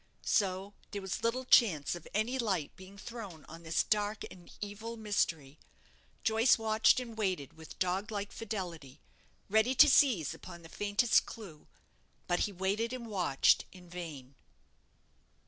So there was little chance of any light being thrown on this dark and evil mystery. Joyce watched and waited with dog like fidelity, ready to seize upon the faintest clue; but he waited and watched in vain.